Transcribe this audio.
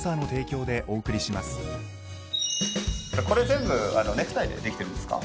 全部ネクタイでできてるんですか？